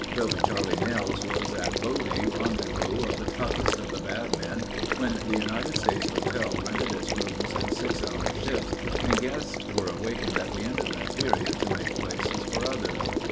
Dobe Charlie Nels was at Bodie, rendezvous of the toughest of the bad men when the United States Hotel rented its rooms in six hour shifts and guests were awakened at the end of that period to make places for others.